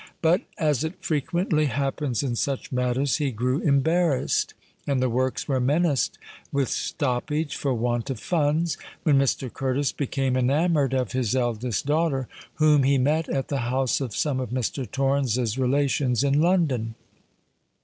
But, as it frequently happens in such matters, he grew embarrassed; and the works were menaced with stoppage for want of funds, when Mr. Curtis became enamoured of his eldest daughter, whom he met at the house of some of Mr. Torrens's relations in London.